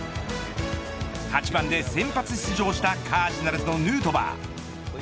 ８番で先発出場したカージナルスのヌートバー。